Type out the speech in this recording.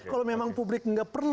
kalau memang publik gak percaya